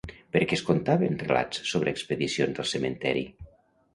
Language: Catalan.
Per què es contaven relats sobre expedicions al cementeri?